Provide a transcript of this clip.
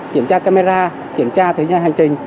kiểm tra camera kiểm tra thời gian hành trình